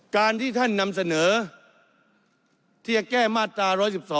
การที่ท่านนำเสนอที่จะแก้มาตรา๑๑๒